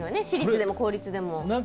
私立でも公立でも。